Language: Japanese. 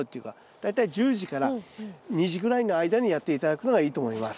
大体１０時から２時ぐらいの間にやって頂くのがいいと思います。